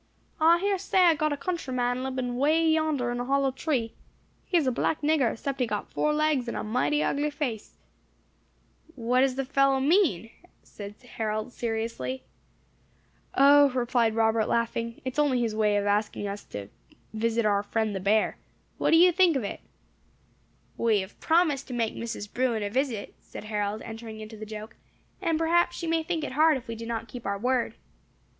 I hear say I got a countryman[#] libbin way yonder in a hollow tree. He is a black nigger, 'sept he is got four legs and a mighty ugly face." [#] Pronounced long, country ma an. It usually means a native African. "What does the fellow mean?" said Harold, seriously. "O," replied Robert, laughing, "it is only his way of asking us to visit our friend the bear. What do you think of it?" "We have promised to make Mrs. Bruin a visit," said Harold, entering into the joke; "and perhaps she may think it hard if we do not keep our word."